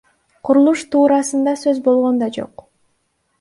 Курулуш туурасында сөз болгон да жок.